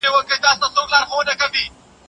په خپلو کړه وړو کي به عاجزي لرئ.